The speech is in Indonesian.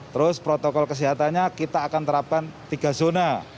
terus protokol kesehatannya kita akan terapkan tiga zona